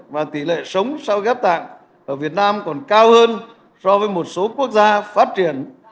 và tỷ lệ sống sau ghép tạng ở việt nam còn cao hơn so với một số quốc gia phát triển